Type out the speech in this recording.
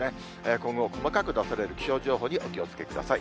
今後、細かく出される気象情報にお気をつけください。